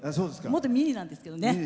もっとミニなんですけどね。